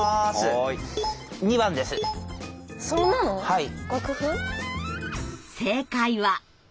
はい。